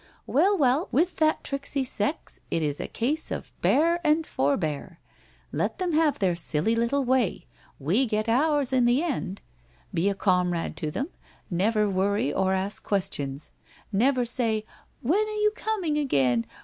Well, well, with that tricksy sex it is a case of bear and forbear; let them have their silly little way. "We get ours in the end. Be a com rade to them — never worry or ask questions. Never say " When are you coming again